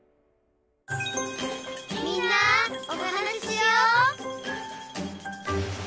「みんなおはなししよう」